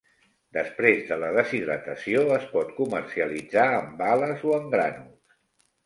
Després de la deshidratació es pot comercialitzar en bales o en grànuls.